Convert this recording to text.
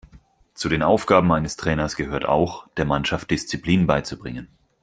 Zu den Aufgaben eines Trainers gehört auch, der Mannschaft Disziplin beizubringen.